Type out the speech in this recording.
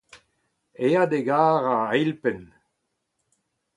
Aet e garr a-eilpenn.